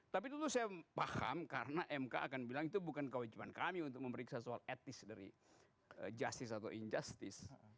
tapi dulu saya paham karena mk akan bilang itu bukan kewajiban kami untuk memeriksa soal etis dari justice atau injustice